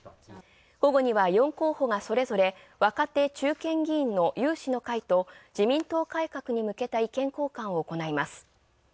午後には４候補がそれぞれ若手、中堅議員の有志の会と、自民党改革に向けた意見交換を行います。